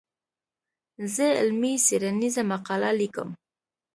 زه علمي څېړنيزه مقاله ليکم.